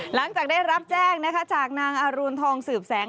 หลังจากได้รับแจ้งนะคะจากนางอรุณทองสืบแสง